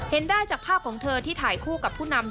ได้จากภาพของเธอที่ถ่ายคู่กับผู้นำ